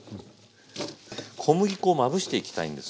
小麦粉をまぶしていきたいんです。